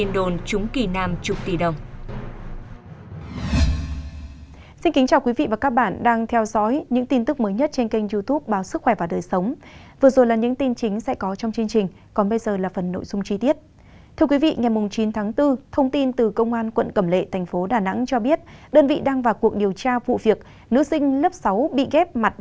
đổ xô đào rừng vì tin đồn chúng kỳ nam trục tỷ đồng